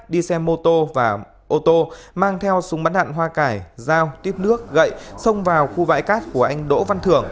đi xe mô tô và ô tô mang theo súng bắn đạn hoa cải dao tuyếp nước gậy xông vào khu bãi cát của anh đỗ văn thưởng